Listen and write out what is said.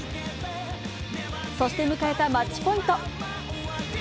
そして迎えたマッチポイント。